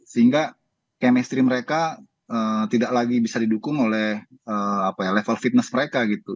sehingga chemistry mereka tidak lagi bisa didukung oleh level fitness mereka gitu